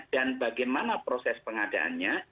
dan bagaimana proses pengadaannya